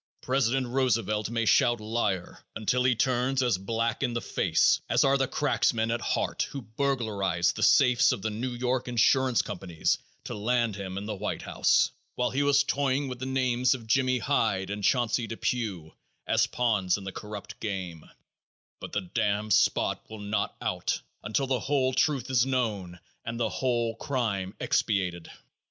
President Roosevelt may shout "liar" until he turns as black in the face as are the cracksmen at heart who burglarized the safes of the New York insurance companies to land him in the White House, while he was toying with the names of "Jimmy" Hyde and Chauncey Depew as pawns in the corrupt game, but the "damned spot" will not out until the whole truth is known and the whole crime expiated.